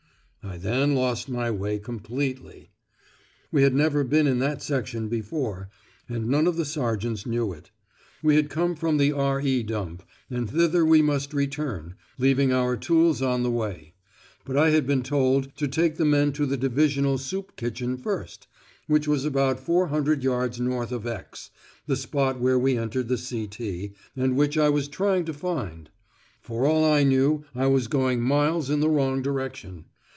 I then lost my way completely. We had never been in that section before, and none of the sergeants knew it. We had come from the "R.E. Dump," and thither we must return, leaving our tools on the way. But I had been told to take the men to the Divisional Soup Kitchen first, which was about four hundred yards north of X, the spot where we entered the C.T. and which I was trying to find. For all I knew I was going miles in the wrong direction.